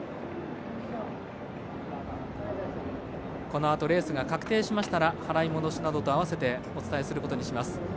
このあとレースが確定しましたら払い戻しなどとあわせてお伝えすることにします。